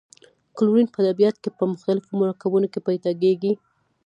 کلورین په طبیعت کې په مختلفو مرکبونو کې پیداکیږي.